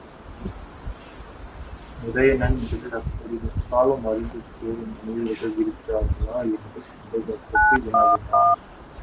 உதயணன் முதலில் அப்படி முக்காலமும் அறிந்து கூறும் முனிவர்களும் இருக்கிறார்களா? என்று சந்தேகப்பட்டு வினாவினான்.